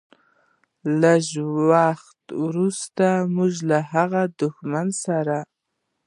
لږ وخت وروسته موږ له هغه دښمن سره.